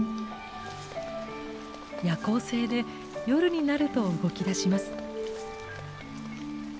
夜行性で夜になると動きだします。